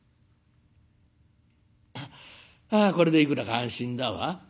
「あこれでいくらか安心だわ。